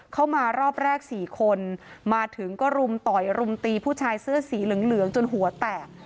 เข้ามารอบแรก๔คนมาถึงก็รุมต่อยรุมตีผู้ชายเสื้อสีเหลืองจนหัวแตก